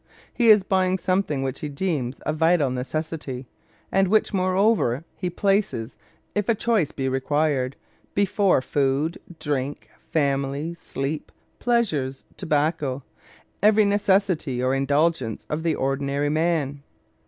He is buying something which he deems a vital necessity, and which, moreover, he places, if a choice be required, before food, drink, family, sleep, pleasures, tobacco every necessity or indulgence of the ordinary man.